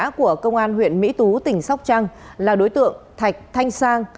đối tượng truy nã của công an huyện mỹ tú tỉnh sóc trăng là đối tượng thạch thanh sang